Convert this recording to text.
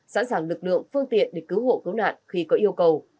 sẵn sàng lực lượng phương tiện để cứu hộ cứu nạn khi có yêu cầu